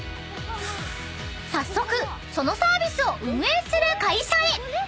［早速そのサービスを運営する会社へ］